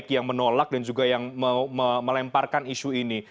yang menolak dan juga yang melemparkan isu ini